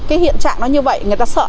cái hiện trạng nó như vậy người ta sợ